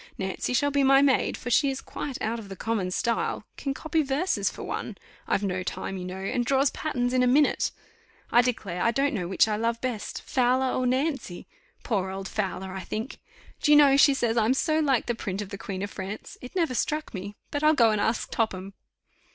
Nancy shall be my maid, for she is quite out of the common style; can copy verses for one I've no time, you know and draws patterns in a minute. I declare I don't know which I love best Fowler or Nancy poor old Fowler, I think. Do you know she says I'm so like the print of the Queen of France. It never struck me; but I'll go and ask Topham."